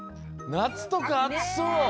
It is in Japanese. なつとか暑そう。